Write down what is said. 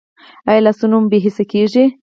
ایا لاسونه مو بې حسه کیږي؟